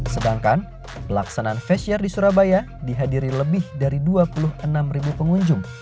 sedangkan pelaksanaan face share di surabaya dihadiri lebih dari dua puluh enam pengunjung